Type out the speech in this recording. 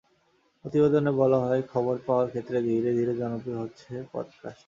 প্রতিবেদনে বলা হয়, খবর পাওয়ার ক্ষেত্রে ধীরে ধীরে জনপ্রিয় হচ্ছে পডকাস্ট।